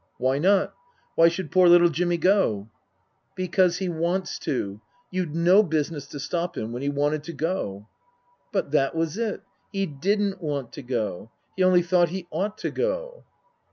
" Why not ? Why should poor little Jimmy go ?"" Because he wants to. You'd no business to stop him when he wanted to go." " But that was it. He didn't want to go. He only thought he ought to go."